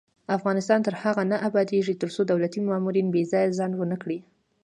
افغانستان تر هغو نه ابادیږي، ترڅو دولتي مامورین بې ځایه ځنډ ونه کړي.